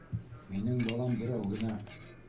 Минең балам берәү генә.